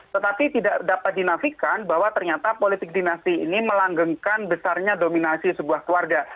tetapi tidak dapat dinafikan bahwa ternyata politik dinasti ini melanggengkan besarnya dominasi sebuah keluarga